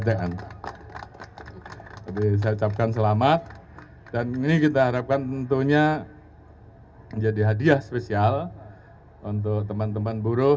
jadi saya ucapkan selamat dan ini kita harapkan tentunya menjadi hadiah spesial untuk teman teman buruh